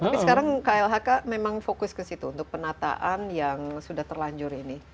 tapi sekarang klhk memang fokus ke situ untuk penataan yang sudah terlanjur ini